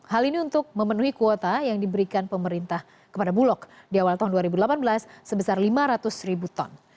hal ini untuk memenuhi kuota yang diberikan pemerintah kepada bulog di awal tahun dua ribu delapan belas sebesar lima ratus ribu ton